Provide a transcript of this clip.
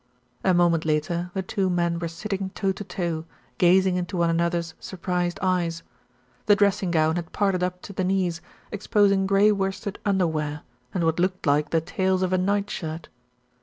A moment later the two men were sitting toe to toe, gazing into one another's surprised eyes. The dressing gown had parted up to the knees, exposing grey worsted under wear, and what looked like the tails of a nightshirt.